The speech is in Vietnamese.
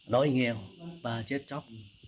đói nghèo và chết chóc